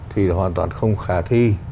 thì hoàn toàn không khả thi